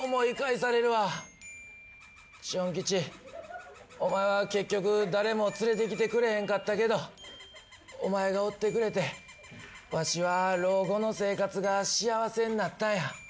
ジュンキチお前は結局誰も連れてきてくれへんかったけどお前がおってくれてわしは老後の生活が幸せになったんや。